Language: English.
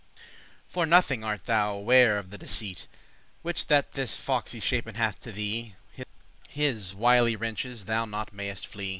For nothing art thou ware of the deceit Which that this fox y shapen* hath to thee; *contrived His wily wrenches* thou not mayest flee.